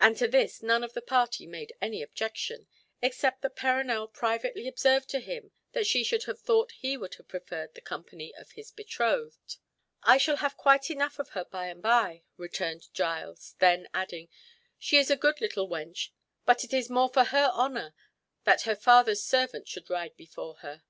And to this none of the party made any objection, except that Perronel privately observed to him that she should have thought he would have preferred the company of his betrothed. "I shall have quite enough of her by and by," returned Giles; then adding, "She is a good little wench, but it is more for her honour that her father's servant should ride before her."